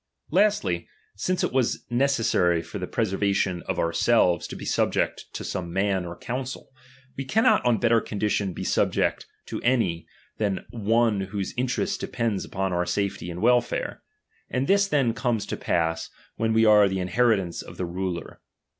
18. L^tly, since it was necessary for the pre servation of ourselves to be subject to some ma7t or council, we cannot on better condition be sub ject to any, than one whose interest depends upon J^. our safety and welfare ; and this then comes to pass, when we are the inheritance of the ruler.